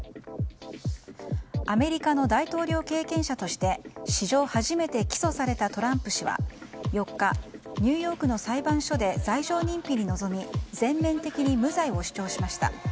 アメリカの大統領経験者として史上初めて起訴されたトランプ氏は４日ニューヨークの裁判所で罪状認否に臨み全面的に無罪を主張しました。